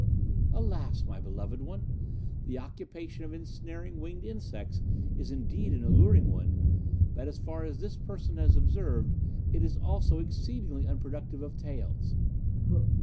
Alas, my beloved one! the occupation of ensnaring winged insects is indeed an alluring one, but as far as this person has observed, it is also exceedingly unproductive of taels.